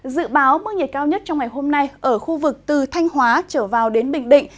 dự báo mức nhiệt cao nhất trong ngày hôm nay ở khu vực từ thanh hóa trở vào đến bình định